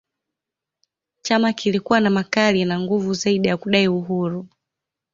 Chama kilikuwa na makali na nguvu zaidi ya kudai uhuru